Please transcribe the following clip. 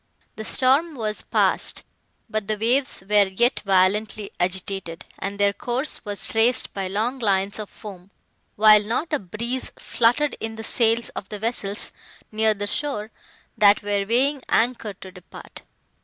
The storm was passed, but the waves were yet violently agitated, and their course was traced by long lines of foam, while not a breeze fluttered in the sails of the vessels, near the shore, that were weighing anchor to depart.